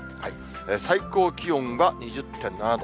最高気温が２０．７度。